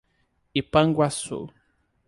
Ipanguaçu